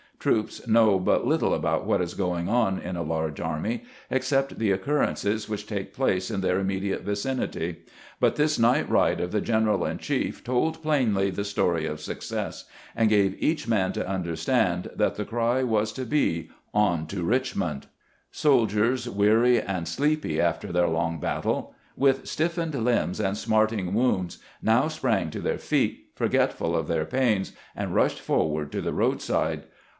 Troops know but little about what is going on in a large army, except the oc currences which take place in their immediate vicinity ; but this night ride of the general in chief told plainly the story of success, and gave each man to understand that the cry was to be " On to Richmond !" Soldiers weary and sleepy after their long battle, with stiffened limbs and smarting wounds, now sprang to their feet, forgetful of their pains, and rushed forward to the roadside.